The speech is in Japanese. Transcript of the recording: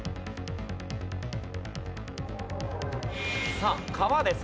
さあ川です。